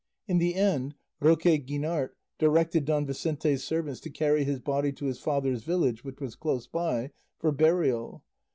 In the end Roque Guinart directed Don Vicente's servants to carry his body to his father's village, which was close by, for burial.